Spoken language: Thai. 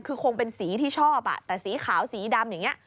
คือคงเป็นสีที่ชอบแต่สีขาวสีดำอย่างนี้